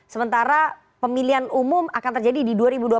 sementara pemilihan umum akan terjadi di dua ribu dua puluh